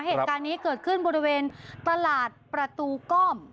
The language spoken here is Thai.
เหตุการณ์นี้เกิดขึ้นบริเวณตลาดประตูก้อม